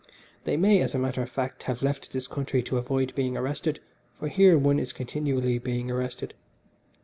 They may, as a matter of fact, have left this country to avoid being arrested, for here one is continually being arrested.